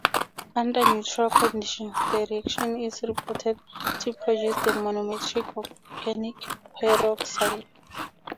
Under neutral conditions, the reaction is reported to produce the monomeric organic peroxide.